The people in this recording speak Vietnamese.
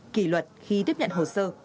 kỳ luật khi tiếp nhận hồ sơ